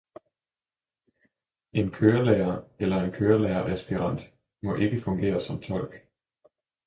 En kørelærer eller en kørelæreraspirant må ikke fungere som tolk